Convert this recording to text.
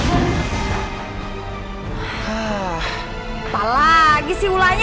apa lagi sih ulahnya